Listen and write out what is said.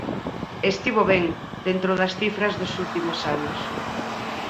Estivo ben, dentro das cifras dos últimos anos.